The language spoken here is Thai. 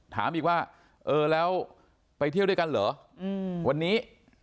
ถามอีกว่าเออแล้วไปเที่ยวด้วยกันเหรอวันนี้